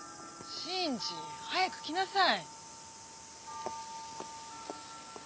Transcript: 信二早く来なさい。